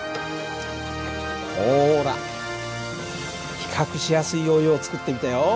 ほら比較しやすいヨーヨーを作ってみたよ。